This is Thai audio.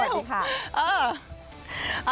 สวัสดีค่ะ